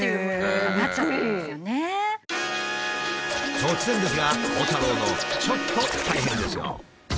突然ですが鋼太郎のちょっと大変ですよ。